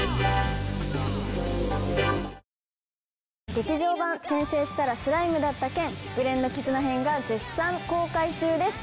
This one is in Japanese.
『劇場版転生したらスライムだった件紅蓮の絆編』が絶賛公開中です。